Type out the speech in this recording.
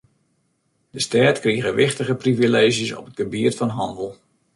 De stêd krige wichtige privileezjes op it gebiet fan hannel.